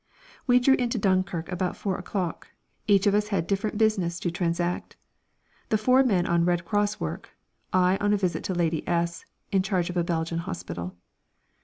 We drew into Dunkirk about four o'clock; each of us had different business to transact; the four men on Red Cross work, I on a visit to Lady S , in charge of a Belgian hospital.